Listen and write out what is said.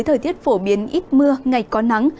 thời tiết phổ biến ít mưa ngày có nắng